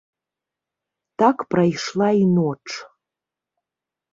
Так прайшла і ноч.